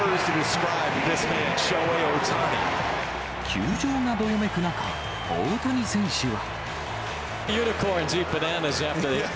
球場がどよめく中、大谷選手は。